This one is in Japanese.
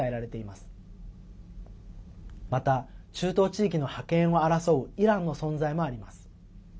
また、中東地域の覇権を争うイランの存在もあります。